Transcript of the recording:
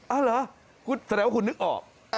เอาเหรอแสดงว่าคุณนึกออก